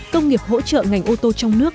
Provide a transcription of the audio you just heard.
công nghiệp hỗ trợ ngành ô tô trong nước